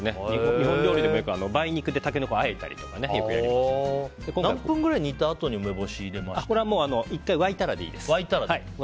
日本料理でもよく梅肉でタケノコをあえたりとか何分ぐらい煮たあとに１回沸いたらでいいです。